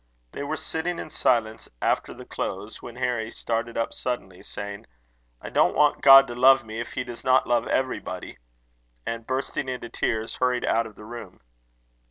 They were sitting in silence after the close, when Harry started up suddenly, saying: "I don't want God to love me, if he does not love everybody;" and, bursting into tears, hurried out of the room.